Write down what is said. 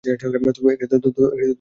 তুমি কি এখনও আছো?